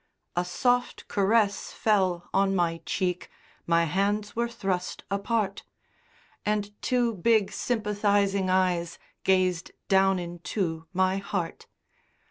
A soft caress fell on my cheek, My hands were thrust apart. And two big sympathizing eyes Gazed down into my heart.